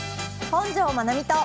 「本上まなみと」！